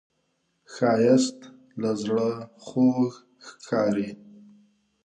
ښایست له زړه خوږ ښکاري